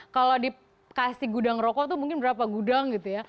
kalau dikasih gudang rokok tuh mungkin berapa gudang gitu ya